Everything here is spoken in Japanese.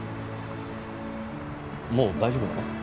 もう大丈夫なの？